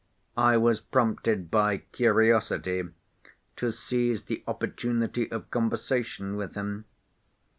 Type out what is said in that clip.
I was prompted by curiosity to seize the opportunity of conversation with him.